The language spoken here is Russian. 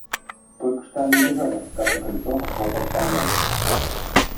Только что они убежали, как на крыльцо вошел почтальон.